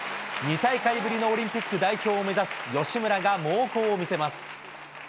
２大会ぶりのオリンピック代表を目指す吉村が猛攻を見せます。